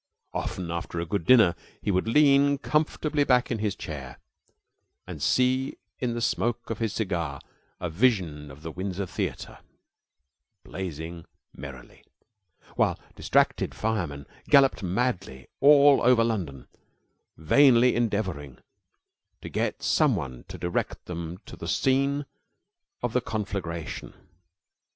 Often after a good dinner he would lean comfortably back in his chair and see in the smoke of his cigar a vision of the Windsor Theater blazing merrily, while distracted firemen galloped madly all over London, vainly endeavoring to get some one to direct them to the scene of the conflagration.